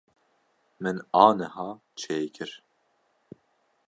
Min aniha çêkir.